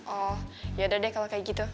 oh yaudah deh kalau kayak gitu